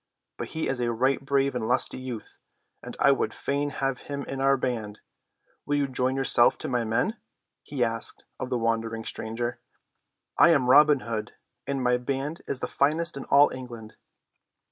But he is a right brave and lusty youth and I would fain have him in our band. Will you join yourself to my men?" he asked of the wondering stranger. "I am Robin Hood, and my band is the finest in all England."